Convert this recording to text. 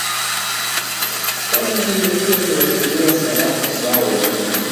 kama zingekuwa zinatumia sarafu zao wenyewe